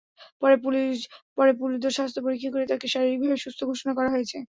পরে পুলিদোর স্বাস্থ্য পরীক্ষা করে তাঁকে শারীরিকভাবে সুস্থ ঘোষণা করা হয়েছে।